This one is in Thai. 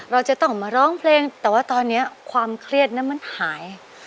เราจะต้องมาร้องเพลงแต่ว่าตอนนี้ความเครียดนั้นมันหาย